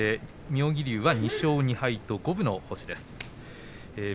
妙義龍は２勝２敗と五分の星です。